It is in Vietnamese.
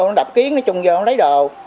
nó đập kiến nó chung vô nó lấy đồ